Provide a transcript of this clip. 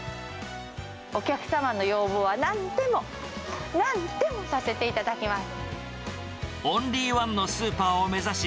お客様の要望はなんでも、なんでもさせていただきます。